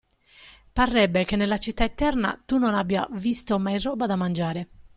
Parrebbe che nella Città Eterna tu non abbia visto mai roba da mangiare.